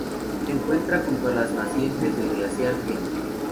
Se encuentra junto a las nacientes del glaciar Kenney.